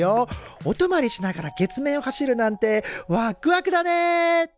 おとまりしながら月面を走るなんてわっくわくだね！